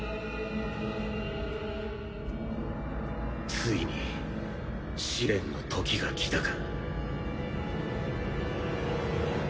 ついに試練の時が来たか。